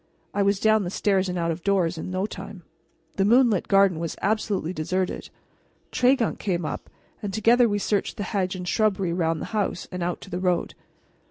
I was down the stairs and out of doors in no time. The moonlit garden was absolutely deserted. Tregunc came up, and together we searched the hedge and shrubbery around the house and out to the road.